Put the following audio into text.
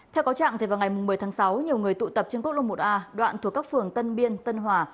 theo cáo trạng vào ngày một mươi tháng sáu nhiều người tụ tập trên quốc lộ một a đoạn thuộc các phường tân biên tân hòa